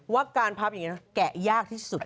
ว่าการพับแกะยากที่สุด